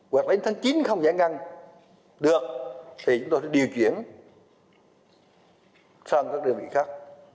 hoặc đến tháng chín không giải ngân được thì chúng tôi sẽ điều chuyển sang các đơn vị khác